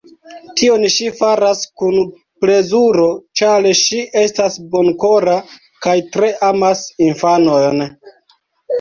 Tion ŝi faras kun plezuro, ĉar ŝi estas bonkora kaj tre amas infanojn.